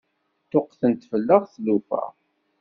Ṭṭuqqtent fell-aɣ tlufa.